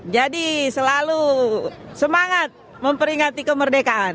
jadi selalu semangat memperingati kemerdekaan